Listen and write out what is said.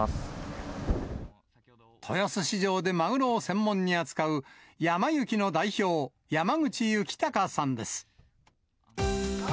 豊洲市場でマグロを専門に扱う、やま幸の代表、山口幸隆さんです。